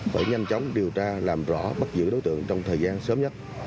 phải nhanh chóng điều tra làm rõ bắt giữ đối tượng trong thời gian sớm nhất